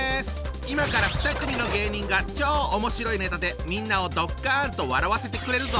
今から２組の芸人が超おもしろいネタでみんなをドッカンと笑わせてくれるぞ！